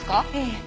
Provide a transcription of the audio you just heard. ええ。